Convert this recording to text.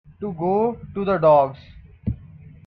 To go to the dogs.